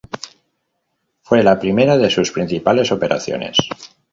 Fue la primera de sus principales operaciones.